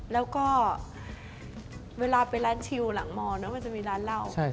แล้วก็เวลาไปร้านชิวหลังมมันจะมีร้านเหล้า